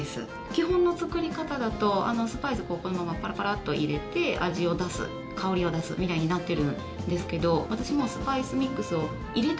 基本の作り方だとスパイスをそのままパラパラッと入れて味を出す香りを出すみたいになってるんですけど私はスパイスミックスを入れた